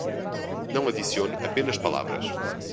Não adicione apenas palavras